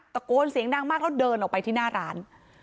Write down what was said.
ตะโกนเสียงดังมากแล้วเดินออกไปที่หน้าร้าน